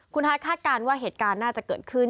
คุณฮายคาดการณ์ว่าเหตุการณ์น่าจะเกิดขึ้น